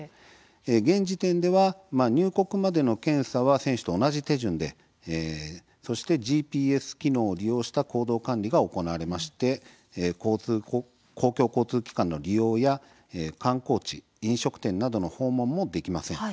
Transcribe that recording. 現時点では入国までの検査は選手たちと同じ手順でそしてＧＰＳ機能を利用した行動管理が行われまして公共交通機関の利用や観光地飲食店などの利用もできません。